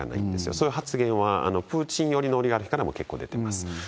そういう発言は、プーチン寄りのオリガルヒからも出ています。